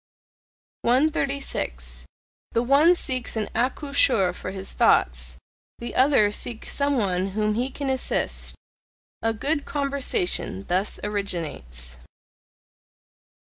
136. The one seeks an accoucheur for his thoughts, the other seeks some one whom he can assist: a good conversation thus originates.